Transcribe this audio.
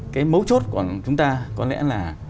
cái mấu chốt của chúng ta có lẽ là